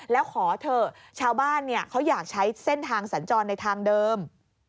แล้วขอเถอะชาวบ้านเขาอยากใช้เส้นทางสัญจรในทางเดิม